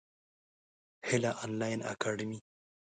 هیله انلاین اکاډمي.